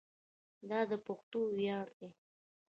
دا د پښتنو ویاړ دی.